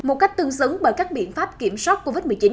một cách tương xứng bởi các biện pháp kiểm soát covid một mươi chín